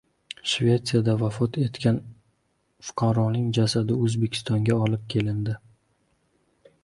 Shvesiyada vafot etgan fuqaroning jasadi O‘zbekistonga olib kelindi